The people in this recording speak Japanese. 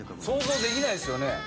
「想像できないですよね。